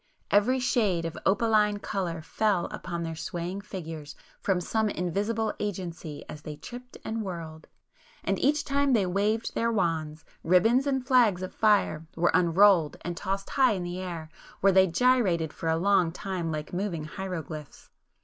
Every shade of opaline colour fell upon their swaying figures from some invisible agency as they tripped and whirled,—and each time they waved their wands, ribbons and flags of fire were unrolled and tossed high in air where they gyrated for a long time like moving hieroglyphs.